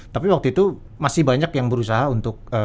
tapi waktu itu masih banyak yang berusaha untuk